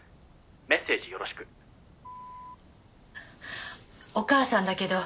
「メッセージよろしく」お母さんだけどねえ